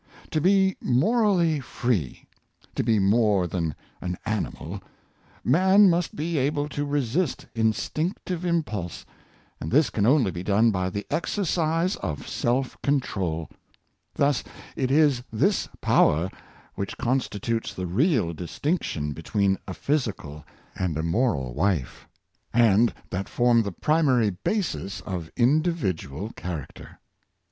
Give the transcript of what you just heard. To be morally free — to be more than an animal — man must be able to resist instinctive impulse, and this can only be done by the exercise of self control. Thus it is this power which constitutes the real distinction between a physical and a moral life, and that form the primar}^ basis of individual character.